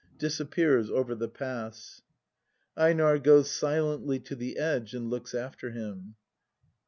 [Disappears over the pass. [EiNAR goes silently to the edge and looks after him.